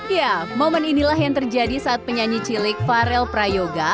ya momen inilah yang terjadi saat penyanyi cilik farel prayoga